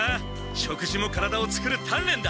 食事も体を作る鍛錬だ！